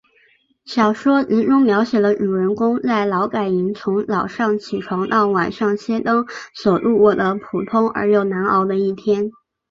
小说集中描写了主人公在劳改营中从早上起床到晚上熄灯所度过的普通而又难熬的一天。